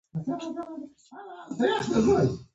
چین د بریالیتوب یوه نمونه ده.